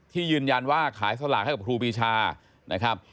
ยืนยันว่าขายสลากให้กับครูปีชานะครับ